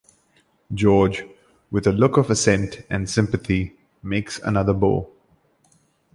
George, with a look of assent and sympathy, makes another bow.